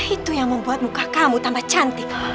itu yang membuat muka kamu tambah cantik